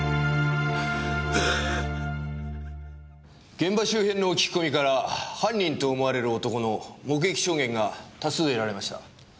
現場周辺の聞き込みから犯人と思われる男の目撃証言が多数得られました。